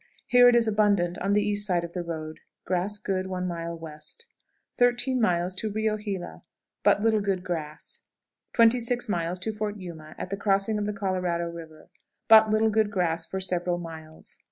Here it is abundant on the east side of the road; grass good one mile west. 13.00. Rio Gila. But little good grass. 26.00. Fort Yuma, at the crossing of the Colorado River. But little good grass for several miles.